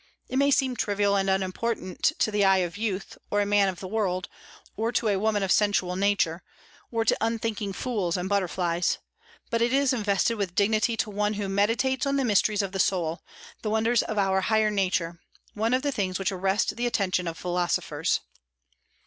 It may seem trivial and unimportant to the eye of youth, or a man of the world, or a woman of sensual nature, or to unthinking fools and butterflies; but it is invested with dignity to one who meditates on the mysteries of the soul, the wonders of our higher nature, one of the things which arrest the attention of philosophers.